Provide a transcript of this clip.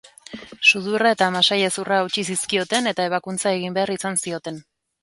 Sudurra eta masailezurra hautsi zizkioten eta ebakuntza egin behar izan zioten.